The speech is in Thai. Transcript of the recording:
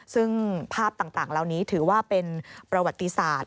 ซึ่งภาพต่างเหล่านี้ถือว่าเป็นประวัติศาสตร์